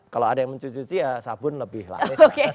kalau ada yang mencuci cuci sabun lebih laris